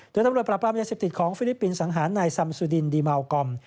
โดยตำรวจปราบรามยาเสพติดของฟิลิปปินสสังหารนายซัมซูดินดีเมากอม